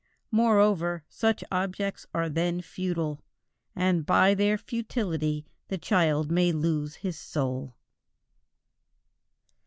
Moreover, such objects are then futile, and, by their futility, "the child may lose his soul."